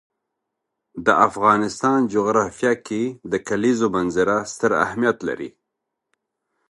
د افغانستان جغرافیه کې د کلیزو منظره ستر اهمیت لري.